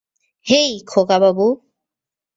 হেই, খোকাবাবু।